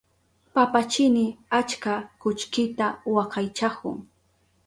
Papachini achka kullkita wakaychahun.